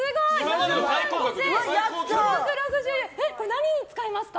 何に使いますか？